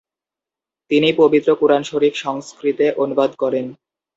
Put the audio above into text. তিনি পবিত্র কুরআন শরীফ সংস্কৃতে অনুবাদ করেন।